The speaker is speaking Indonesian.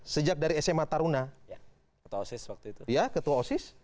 sejak dari sma taruna ketua osis